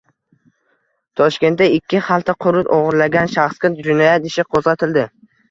Toshkentda ikki xalta qurut o‘g‘irlagan shaxsga jinoyat ishi qo‘zg‘atildi